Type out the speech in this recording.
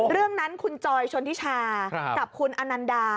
เรื่องนั้นคุณจอยชนทิชากับคุณอนันดา